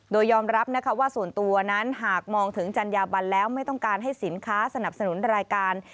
โดยยอมรับนะคะว่าส่วนตัวนั้นหากมองถึงจัญญาบันแล้วไม่ต้องการให้สินค้าสนับสนุนรายการ